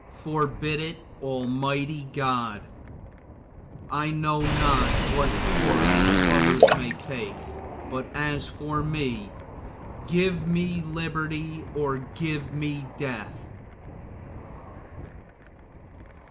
Forbid it, Almighty God! I know not what course others may take, but as for me, give me liberty or give me death!